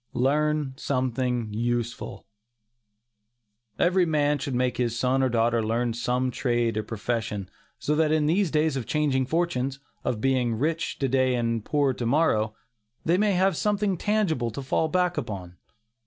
LEARN SOMETHING USEFUL. Every man should make his son or daughter learn some trade or profession, so that in these days of changing fortunes of being rich to day and poor to morrow, they may have something tangible to fall back upon.